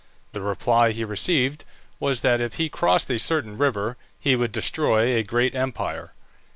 The reply he received was, that if he crossed a certain river he would destroy a great empire.